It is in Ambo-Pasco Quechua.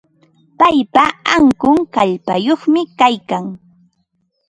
Paypa ankun kallpayuqmi kaykan.